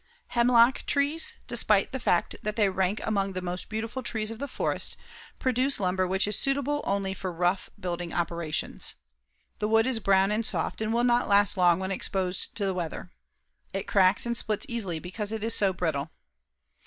Hemlock trees, despite the fact that they rank among the most beautiful trees of the forest, produce lumber which is suitable only for rough building operations. The wood is brown and soft and will not last long when exposed to the weather. It cracks and splits easily because it is so brittle.